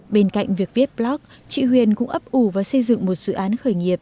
bên cạnh việc viết blog chị huyền cũng ấp ủ và xây dựng một dự án khởi nghiệp